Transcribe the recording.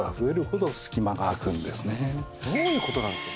どういうことなんですか？